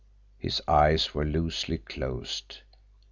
His eyes were loosely closed.